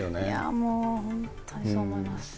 もう本当にそう思います。